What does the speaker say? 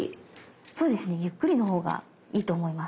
そうですねゆっくりのほうがいいと思います。